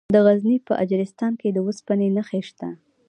د غزني په اجرستان کې د اوسپنې نښې شته.